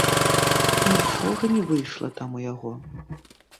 Нічога не выйшла там у яго.